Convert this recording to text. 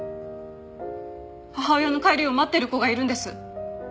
母親の帰りを待ってる子がいるんです！